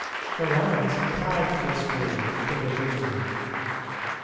The Romans applied this rule to religion.